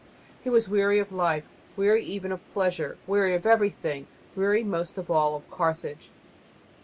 He was weary of life, weary even of pleasure, weary of everything, weary most of all of Carthage.